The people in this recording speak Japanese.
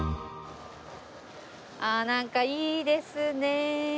ああなんかいいですね。